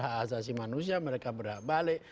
hak asasi manusia mereka berakbalik